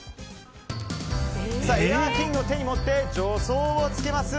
エアーキングを手に持って助走をつけます。